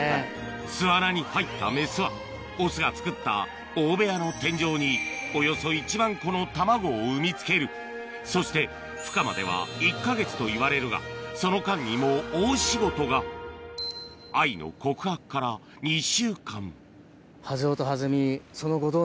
巣穴に入ったメスはオスが作った大部屋の天井におよそ１万個の卵を産みつけるそしてふ化までは１か月といわれるがその間にも大仕事が愛の告白から２週間その後。